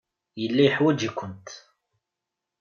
Yella yeḥwaj-ikent.